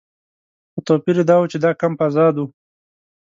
خو توپیر یې دا و چې دا کمپ آزاد و.